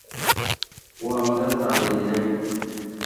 ও আমাদের তাড়িয়ে দিলে!